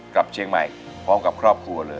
กลับเชียงใหม่พร้อมกับครอบครัวเลย